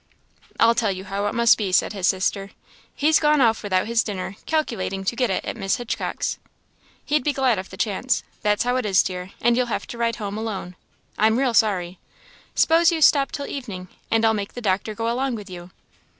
"I'll tell you how it must be," said his sister, "he's gone off without his dinner calculating to get it at Miss Hitchcock's he'd be glad of the chance. That's how it is, dear; and you'll have to ride home alone; I'm real sorry. S'pose you stop till evening, and I'll make the doctor go along with you.